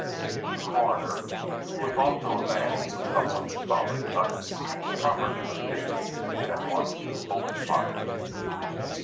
The Coroner, who was also a man of a somewhat stolid cut, proffered him a seat and at once opened fire.